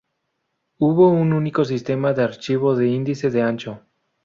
Hubo un único sistema de archivo de índice de ancho.